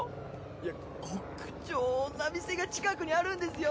いやゴクジョーな店が近くにあるんですよ！